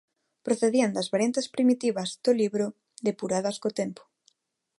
Procedían das variantes primitivas do libro, depuradas co tempo.